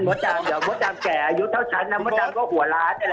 โมดดามแก่อายุเท่าฉันนะโมดดามก็หัวล้าน